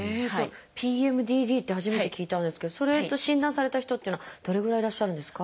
ＰＭＤＤって初めて聞いたんですけどそれと診断された人っていうのはどれぐらいいらっしゃるんですか？